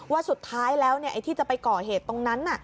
ว่าสุดท้ายแล้วไอ้ที่จะไปก่อเหตุตรงนั้น